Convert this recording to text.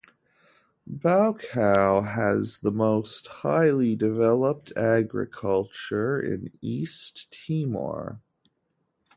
Baucau has the most highly developed agriculture in East Timor.